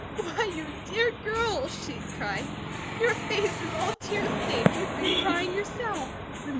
"Why, you dear girl," she cried. "Your face is all tear stained. You've been crying, yourself."